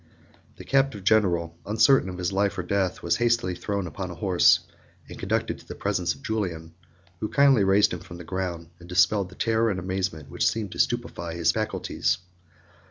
The captive general, uncertain of his life or death, was hastily thrown upon a horse, and conducted to the presence of Julian; who kindly raised him from the ground, and dispelled the terror and amazement which seemed to stupefy his faculties.